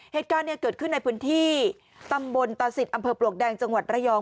เหตุการณ์เกิดขึ้นในพื้นที่ตำบลตาศิษย์อำเภอปลวกแดงจังหวัดระยอง